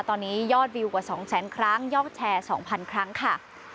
ตอนนี้ยอดวิวกว่า๒แสนครั้งยอกแชร์๒๐๐๐ครั้งค่ะ